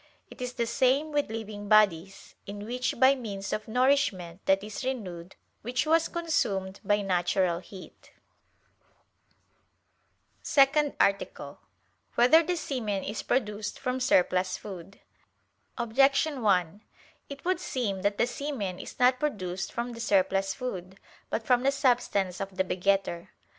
It is the same with living bodies, in which by means of nourishment that is renewed which was consumed by natural heat. _______________________ SECOND ARTICLE [I, Q. 119, Art. 2] Whether the Semen Is Produced from Surplus Food? Objection 1: It would seem that the semen is not produced from the surplus food, but from the substance of the begetter.